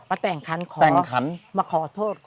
มาแต่งขันขอมาขอโทษ